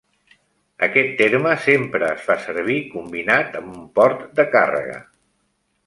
Aquest terme sempre es fa servir combinat amb un port de càrrega.